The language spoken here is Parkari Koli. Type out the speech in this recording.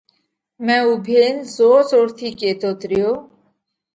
۾ اُوڀينَ زور زور ٿِي ڪيتوت ريو۔